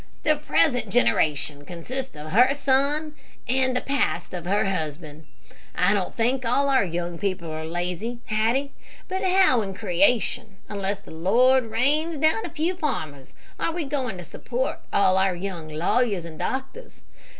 "The present generation consists of her son, and the past of her husband. I don't think all our young people are lazy, Hattie; but how in creation, unless the Lord rains down a few farmers, are we going to support all our young lawyers and doctors?